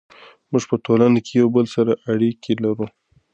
موږ په ټولنه کې یو بل سره اړیکې لرو.